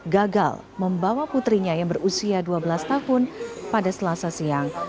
gagal membawa putrinya yang berusia dua belas tahun pada selasa siang